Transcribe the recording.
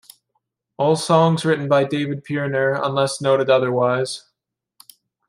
All songs written by David Pirner unless noted otherwise.